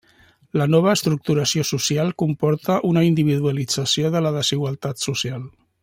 La nova estructuració social comporta una individualització de la desigualtat social.